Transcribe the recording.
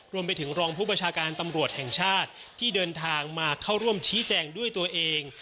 รวมไปถึงรองผู้ประชาการตำรวจแห่งชาติที่เดินทางมาเข้าร่วมชี้แจงด้วยตัวเอง